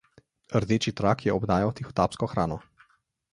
Rdeči trak je obdajal tihotapsko hrano.